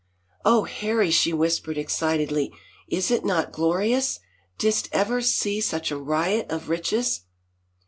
Oh, Harry!" she whispered excitedly, is it not glorious ? Didst ever see such a riot of riches